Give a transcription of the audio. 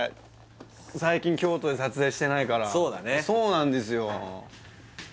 最近京都で撮影してないからそうだねそうなんですよ